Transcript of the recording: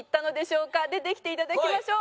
出てきて頂きましょう。